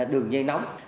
đường dây nóng